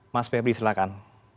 mas febri silakan